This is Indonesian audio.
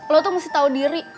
lo tuh mesti tahu diri